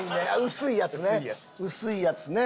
薄いやつね薄いやつね。